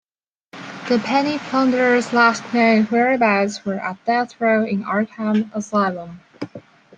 The Penny Plunderer's last known whereabouts were at death row in Arkham Asylum.